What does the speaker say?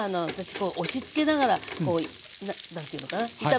こう押しつけながら何て言うのかな炒めてます。